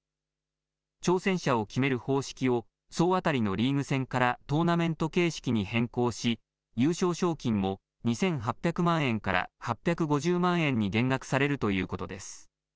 挑戦者を決める方式を総当たりのリーグ戦からトーナメント形式に変更し、優勝賞金も２８００万円から８５０万円に減額されるということです。